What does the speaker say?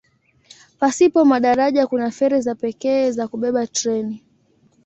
Pasipo madaraja kuna feri za pekee za kubeba treni.